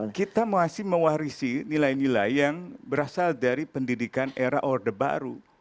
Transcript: karena kita masih mewarisi nilai nilai yang berasal dari pendidikan era order baru